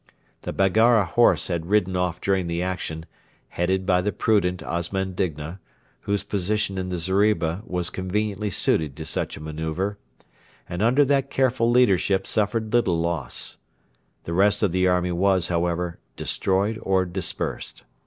The Baggara horse had ridden off during the action, headed by the prudent Osman Digna whose position in the zeriba was conveniently suited to such a manœuvre and under that careful leadership suffered little loss. The rest of the army was, however, destroyed or dispersed.